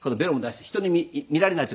人に見られない時でね。